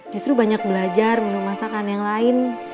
justru banyak belajar minum masakan yang lain